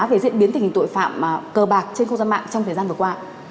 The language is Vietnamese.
về diễn biến tình hình tội phạm cờ bạc trên không gian mạng trong thời gian vừa qua